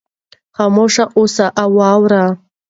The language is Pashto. خاموشه اوسه او واوره.